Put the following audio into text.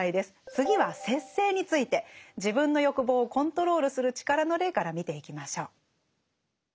次は「節制」について自分の欲望をコントロールする力の例から見ていきましょう。